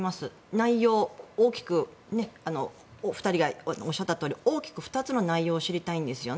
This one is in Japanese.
内容、大きくお二人がおっしゃったとおり大きく２つの内容を知りたいんですよね。